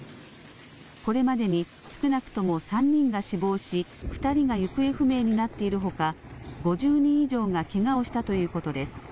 これまでに少なくとも３人が死亡し、２人が行方不明になっているほか、５０人以上がけがをしたということです。